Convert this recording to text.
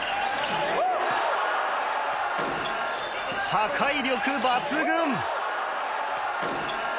破壊力抜群！